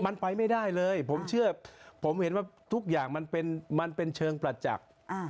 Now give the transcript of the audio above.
มันไปไม่ได้เลยผมเชื่อผมเห็นว่ามันเป็นเฉิงประจักร